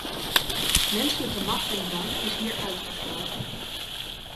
Menselijke macht en dwang is hier uitgesloten.